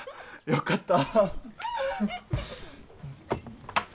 よかった。